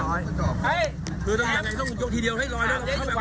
โบ๊ะเตี๋ยวมีคนใจเยียวอยู่นะ